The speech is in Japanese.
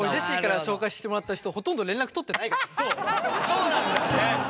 そうなんだよね！